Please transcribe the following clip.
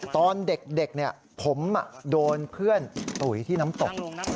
ตอนเด็กผมโดนเพื่อนตุ๋ยที่น้ำตก